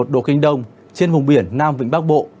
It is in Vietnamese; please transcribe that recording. một trăm linh bảy một độ kinh đông trên vùng biển nam vĩnh bắc bộ